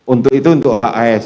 untuk itu untuk hs